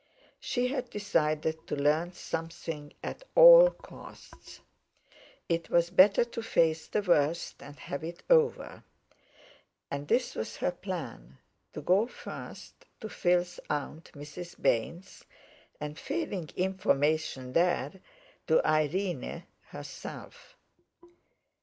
She had decided to learn something at all costs. It was better to face the worst, and have it over. And this was her plan: To go first to Phil's aunt, Mrs. Baynes, and, failing information there, to Irene herself.